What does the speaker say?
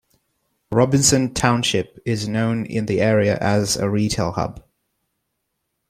Robinson Township is known in the area as a retail hub.